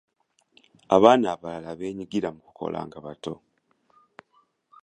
Abaana abalala beenyigira mu kukola nga bato.